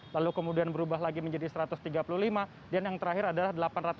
lalu kemudian berubah lagi menjadi satu ratus tiga puluh lima dan yang terakhir adalah delapan ratus tiga puluh